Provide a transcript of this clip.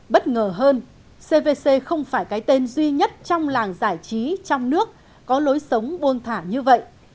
bất ngờ hơn c v c không phải cái tên duy nhất trong làng giải trí trong nước có lối sống buôn thả như vậy